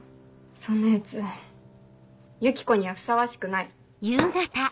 そんなヤツユキコにはふさわしくない。